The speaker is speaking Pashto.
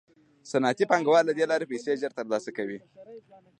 صنعتي پانګوال له دې لارې پیسې ژر ترلاسه کوي